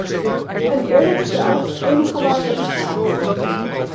Een eerlijk spel is het enige waar we om vragen.